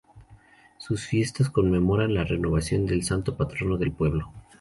Estas Fiestas conmemoran la renovación del santo patrono del pueblo.